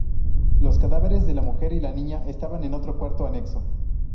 Los cadáveres de la mujer y la niña estaban en otro cuarto anexo.